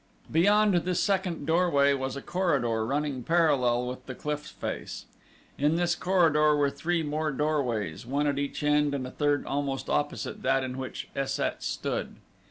Beyond the second doorway was a corridor running parallel with the cliff face. In this corridor were three more doorways, one at each end and a third almost opposite that in which Es sat stood.